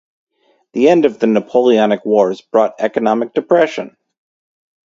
The end of the Napoleonic Wars brought economic depression.